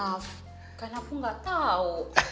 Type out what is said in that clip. maaf karena aku nggak tahu